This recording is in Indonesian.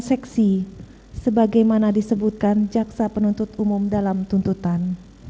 seksi sebagai mana disebutkan jaksa penuntut umum dalam tuntutan